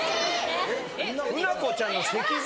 ・うなこちゃんの石像。